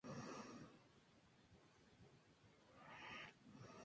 El juego cuenta con dos jugadores de modo cooperativo local.